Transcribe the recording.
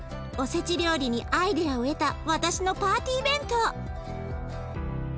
おせち料理にアイデアを得た私のパーティー弁当。